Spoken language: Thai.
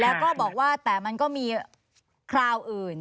แล้วก็บอกว่าแต่มันก็มีคราวอื่น